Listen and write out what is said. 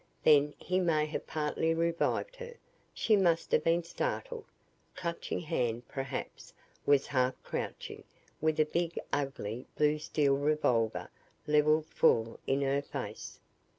Then he may have partly revived her. She must have been startled. Clutching Hand, perhaps, was half crouching, with a big ugly blue steel revolver leveled full in her face.